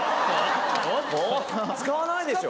使わないでしょ？